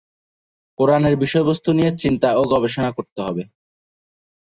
কোরআনের বিষয়বস্তু নিয়ে চিন্তা ও গবেষণা করতে হবে।